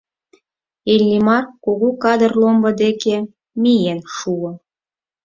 Иллимар кугу кадыр ломбо деке миен шуо.